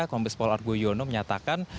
kombes pol argo yono menyatakan